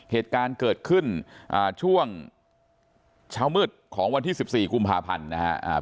เหตุการณ์เกิดขึ้นช่วงเช้ามืดของวันที่๑๔กุมภาพันธ์นะครับ